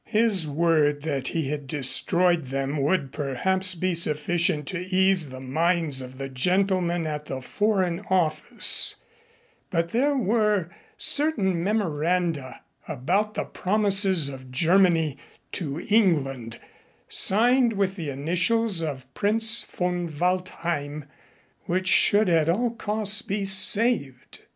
His word that he had destroyed them would perhaps be sufficient to ease the minds of the gentlemen at the Foreign Office, but there were certain memoranda about the promises of Germany to England signed with the initials of Prince von Waldheim which should at all costs be saved.